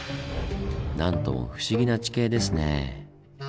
なんとも不思議な地形ですねぇ。